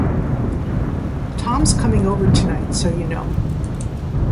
Tom's coming over tonight, so you know.